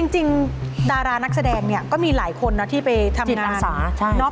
จริงดารานักแสดงก็มีหลายคนที่ไปทำงานจิตอาสา